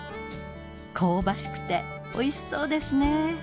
香ばしくておいしそうですね。